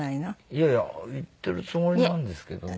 いやいや言ってるつもりなんですけどね。